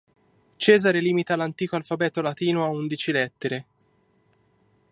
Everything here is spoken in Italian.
Cesare limita l'antico alfabeto latino a undici lettere.